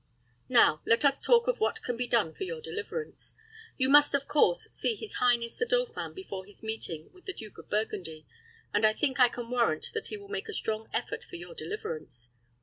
Now let us talk of what can be done for your deliverance. You must, of course, see his highness the dauphin before his meeting with the Duke of Burgundy, and I think I can warrant that he will make a strong effort for your deliverance.